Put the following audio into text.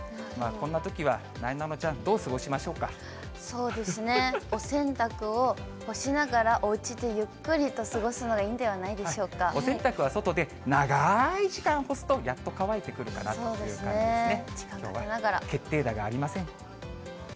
こんなときは、なえなのちゃん、そうですね、お洗濯を干しながら、おうちでゆっくりと過ごすのがいいんではなお洗濯は外で、長い時間干すと、やっと乾いてくるかなという感じですね。